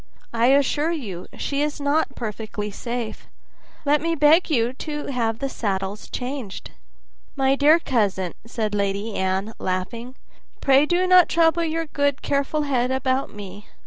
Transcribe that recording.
I assure you, she is not perfectly safe; let me beg you to have the saddles changed." "My dear cousin," said Lady Anne, laughing, "pray do not trouble your good careful head about me.